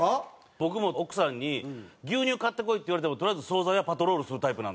僕も奥さんに「牛乳買ってこい」って言われてもとりあえず総菜屋パトロールするタイプなんで。